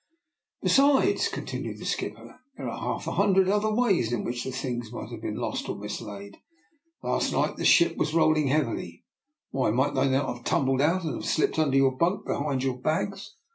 " Besides," continued the skipper, " there are half a hundred other ways in which the things might have been lost or mislaid. Last night the ship was rolling heavily: why might not they have tumbled out and have slipped under your bunk or behind your bags?